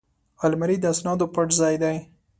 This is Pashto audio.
الماري د اسنادو پټ ځای دی